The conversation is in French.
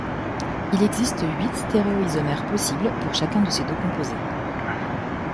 Il existe huit stéréoisomères possibles pour chacun de ces deux composés.